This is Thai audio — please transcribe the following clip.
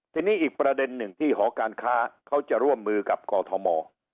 ทีนี้อีกประเด็นหนึ่งที่หอการค้าเขาจะร่วมมือกับกอทม